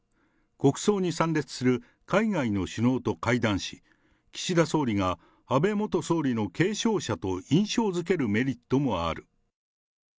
国葬に参列する海外の首脳と会談し、岸田総理が安倍元総理の継承者と印象付けるメリットもある。